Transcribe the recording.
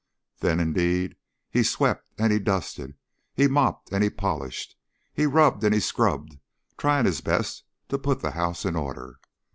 Then, indeed, he swept and he dusted, he mopped and he polished, he rubbed and he scrubbed, trying his best to put the house in order.